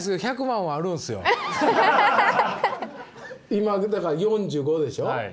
今だから４５でしょ。